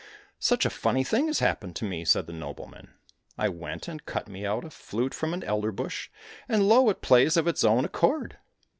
" Such a funny thing has happened to me," said the nobleman. " I went and cut me out a flute from an elder bush, and lo ! it plays of its own accord